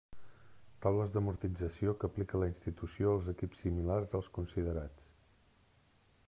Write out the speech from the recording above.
Taules d'amortització que aplica la institució als equips similars als considerats.